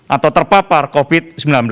atau terpapar covid sembilan belas